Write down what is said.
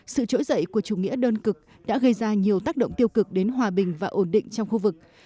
sự trỗi dậy của chủ nghĩa đơn cực đã gây ra nhiều tác động tiêu cực đến hòa bình và ổn định trong khu vực